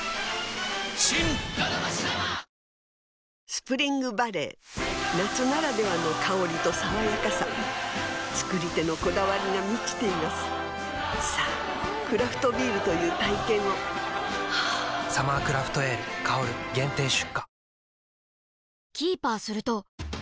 スプリングバレー夏ならではの香りと爽やかさ造り手のこだわりが満ちていますさぁクラフトビールという体験を「サマークラフトエール香」限定出荷